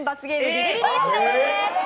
ビリビリ椅子です。